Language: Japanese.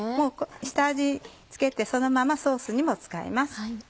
下味付けてそのままソースにも使います。